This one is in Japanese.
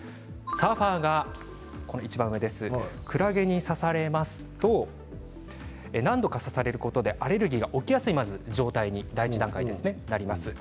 サーファーがクラゲに刺されますと何度か刺されることでアレルギーがまず起きやすい状態に第１段階になります。